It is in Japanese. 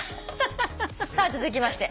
さあ続きまして。